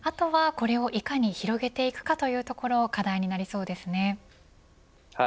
あとはこれをいかに広げていくかというところ課題になりそうですね。